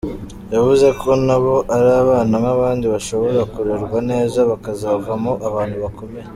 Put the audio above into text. Yavuze ko na bo ari abana nk’abandi bashobora kurerwa neza bakazavamo abantu bakomeye.